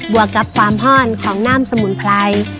วกกับความห้อนของน้ำสมุนไพร